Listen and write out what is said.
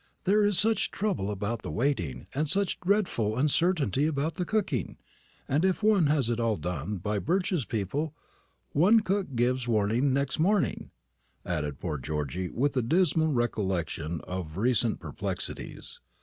There is such trouble about the waiting, and such dreadful uncertainty about the cooking. And if one has it all done by Birch's people, one's cook gives warning next morning," added poor Georgy, with a dismal recollection of recent perplexities.